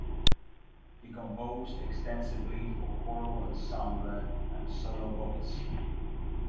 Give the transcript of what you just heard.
He composed extensively for choral ensemble and solo voice.